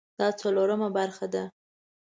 دا څلورمه برخه ده